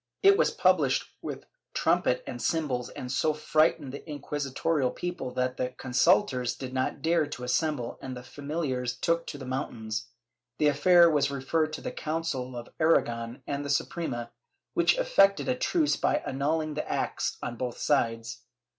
It was published with trumpet and cymbals and so frightened the inqui sitorial people that the consultors did not dare to assemble and the familiars took to the mountains. The affair was referred to the Council of Aragon and the Suprema, which effected a truce by annulhng the acts on both sides.